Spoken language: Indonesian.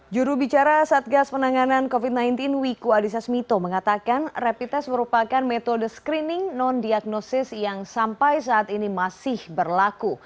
jurubicara satgas penanganan covid sembilan belas wiku adhisa smito mengatakan rapid test merupakan metode screening non diagnosis yang sampai saat ini masih berlaku